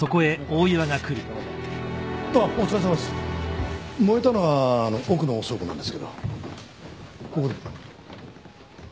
燃えたのは奥の倉庫なんですけどここで。